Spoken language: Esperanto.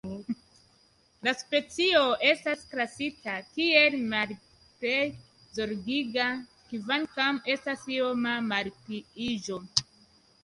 La specio estas klasita kiel Malplej zorgiga, kvankam estas ioma malpliiĝo.